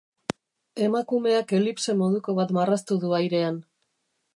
Emakumeak elipse moduko bat marraztu du airean.